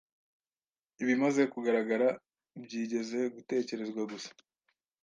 Ibimaze kugaragara byigeze gutekerezwa gusa